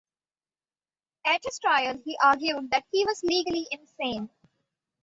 At his trial he argued that he was legally insane.